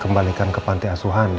kembalikan ke pantai asuhan ya